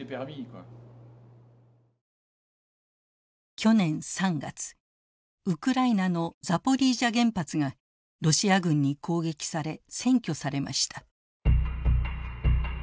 去年３月ウクライナのザポリージャ原発がロシア軍に攻撃され占拠されました。